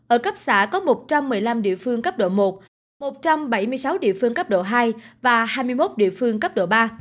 ở cấp xã có một trăm một mươi năm địa phương cấp độ một một trăm bảy mươi sáu địa phương cấp độ hai và hai mươi một địa phương cấp độ ba